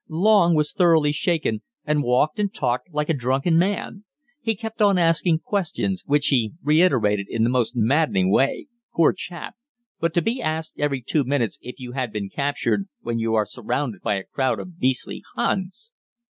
Long was thoroughly shaken, and walked and talked like a drunken man. He kept on asking questions, which he reiterated in the most maddening way poor chap but to be asked every two minutes if you had been captured, when you are surrounded by a crowd of beastly Huns...!